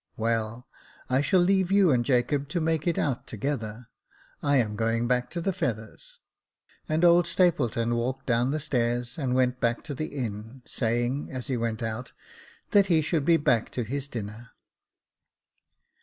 " Well, I shall leave you and Jacob to make it out together ; I am going back to the Feathers." And old Stapleton walked down stairs, and went back to the inn, saying, as he went out, that he should be back to his dinner.